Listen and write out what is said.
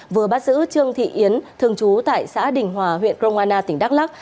vừa bắt giữ trương thị yến thường chú tại xã đình hòa huyện công an tỉnh đắk lắc